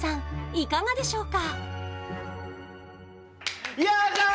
いかがでしょうか？